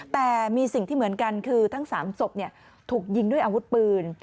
แต่มีสิ่งที่เหมือนกันคือทั้ง๓ศพถูกยิงด้วยอาวุธปืน